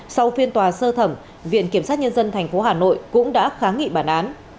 sau phiên tòa sơ thẩm viện kiểm sát nhân dân tp hà nội cũng đã kháng nghị bản án